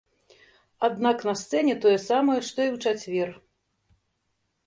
Аднак, на сцэне тое самае, што і ў чацвер.